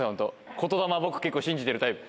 言霊、僕、結構信じてるタイプ。